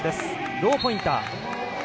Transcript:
ローポインター。